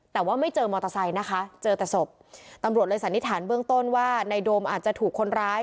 แต่ว่าไม่เจอมอเตอร์ไซค์นะคะเจอแต่ศพตำรวจเลยสันนิษฐานเบื้องต้นว่าในโดมอาจจะถูกคนร้าย